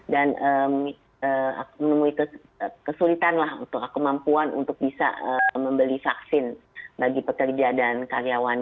dan menemui kesulitan lah untuk kemampuan untuk bisa membeli vaksin bagi pekerja dan karyawan